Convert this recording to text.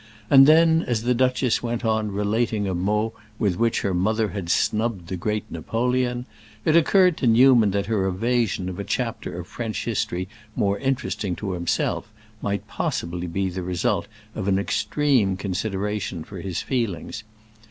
And then as the duchess went on relating a mot with which her mother had snubbed the great Napoleon, it occurred to Newman that her evasion of a chapter of French history more interesting to himself might possibly be the result of an extreme consideration for his feelings.